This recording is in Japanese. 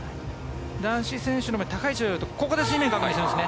男子選手の場合は高い位置でここで水面を確認するんですね。